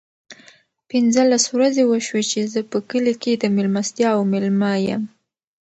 پینځلس ورځې وشوې چې زه په کلي کې د مېلمستیاوو مېلمه یم.